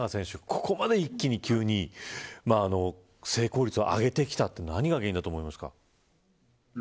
ここまで一気に急に成功率を上げてきたというのは何が原因だと思いますか。